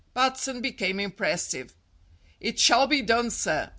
Batson became impressive. "It shall be done, sir.